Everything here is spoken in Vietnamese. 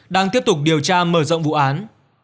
đang tiếp tục điều tra mở rộng vụ án